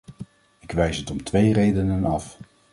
Ik wijs het om twee redenen af.